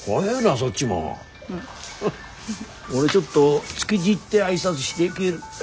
俺ちょっと築地行って挨拶して帰る。